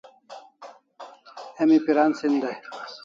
Emi piran sen dai